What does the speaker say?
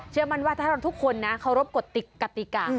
เชื่อมันว่าถ้าทุกคนเค้ารบกฎกติกกติกะ